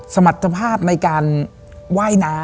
สมรรถภาพในการว่ายน้ำ